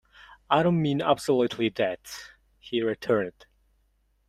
"I don't mean absolutely that," he returned.